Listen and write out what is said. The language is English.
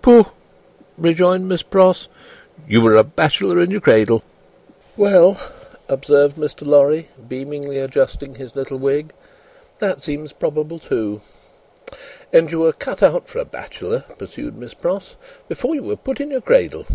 "Pooh!" rejoined Miss Pross; "you were a bachelor in your cradle." "Well!" observed Mr. Lorry, beamingly adjusting his little wig, "that seems probable, too." "And you were cut out for a bachelor," pursued Miss Pross, "before you were put in your cradle."